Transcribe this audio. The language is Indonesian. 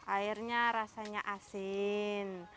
airnya rasanya asin